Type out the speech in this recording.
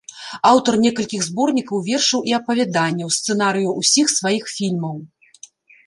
Аўтар некалькіх зборнікаў вершаў і апавяданняў, сцэнарыяў усіх сваіх фільмаў.